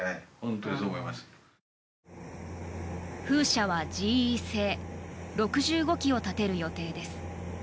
風車はＧＥ製６５基を建てる予定です。